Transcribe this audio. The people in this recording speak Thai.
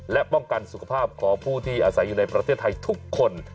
และป้องกันสุขภาพของผู้ที่อาศัยอยู่ในประเทศไทยทุกคน